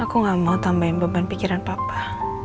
aku gak mau tambahin beban pikiran papa